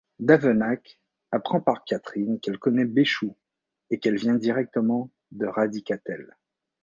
D'Avenac apprend par Catherine qu'elle connaît Béchoux et qu'elle vient directement de Radicatel.